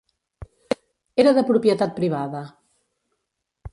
Era de propietat privada.